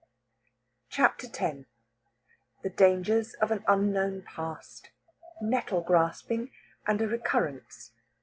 CHAPTER X THE DANGERS OF AN UNKNOWN PAST. NETTLE GRASPING, AND A RECURRENCE.